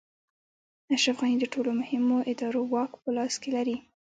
اشرف غني د ټولو مهمو ادارو واک په لاس کې لري.